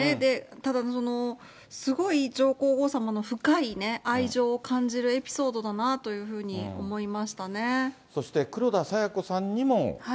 ただその、すごい上皇后さまの深い愛情を感じるエピソードだなというふうにそして黒田清子さんにも。